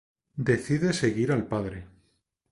Decide seguir al padre.